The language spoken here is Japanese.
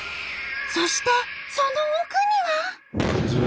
そしてその奥には。